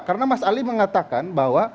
karena mas ali mengatakan bahwa